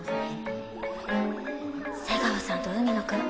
瀬川さんと海野くん